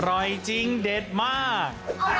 อร่อยจริงเด็ดมาก